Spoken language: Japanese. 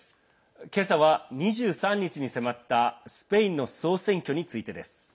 今朝は、２３日に迫ったスペインの総選挙についてです。